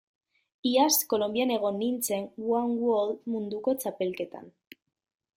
Iaz Kolonbian egon nintzen one wall munduko txapelketan.